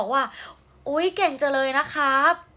ว้ายแกร่งเจอเลยนะครับ